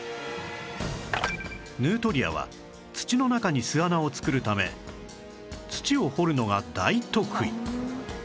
ヌートリアは土の中に巣穴を作るため土を掘るのが大得意